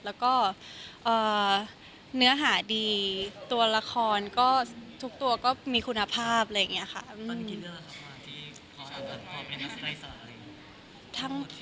แล้วก็เนื้อหาดีตัวละครก็ทุกตัวก็มีคุณภาพอะไรอย่างนี้ค่ะ